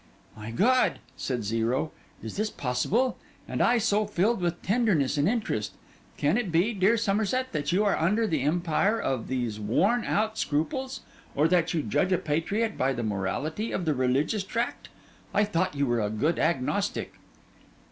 'My God,' said Zero, 'is this possible? And I so filled with tenderness and interest! Can it be, dear Somerset, that you are under the empire of these out worn scruples? or that you judge a patriot by the morality of the religious tract? I thought you were a good agnostic.